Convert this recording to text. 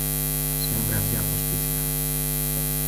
Siempre hacía justicia.